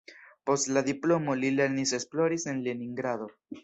Post la diplomo li lernis-esploris en Leningrado.